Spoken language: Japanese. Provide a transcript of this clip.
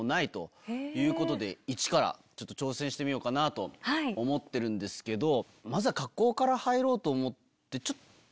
イチから挑戦してみようかなと思ってるんですけどまずは格好から入ろうと思って。